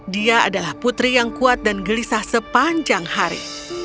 dia adalah putri yang kuat dan gelisah sepanjang hari